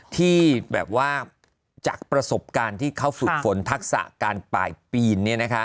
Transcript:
ที่แบบว่าจากประสบการณ์ที่เขาฝึกฝนทักษะการปลายปีน